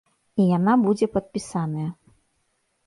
І яна будзе падпісаная.